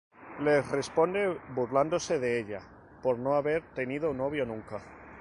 Le responde burlándose de ella por no haber tenido novio nunca.